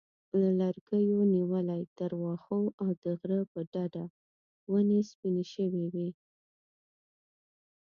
له لرګیو نیولې تر واښو او د غره په ډډه ونې سپینې شوې وې.